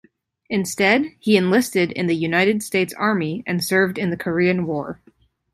Instead, he enlisted in the United States Army and served in the Korean War.